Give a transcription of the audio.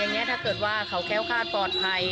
อะไรอย่างนี้ถ้าเกิดว่าเขาแค้วคาดปลอดภัย